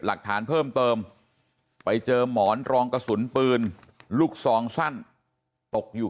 หลักฐานเพิ่มเติมไปเจอหมอนรองกระสุนปืนลูกซองสั้นตกอยู่